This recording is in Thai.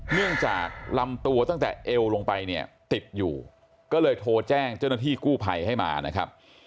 เนื่องจากลำตัวตั้งแต่เอวลงไปเนี่ยติดอยู่ก็เลยโทรแจ้งเจ้าหน้าที่กู้ภัยให้มานะครับ